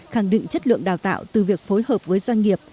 khẳng định chất lượng đào tạo từ việc phối hợp với doanh nghiệp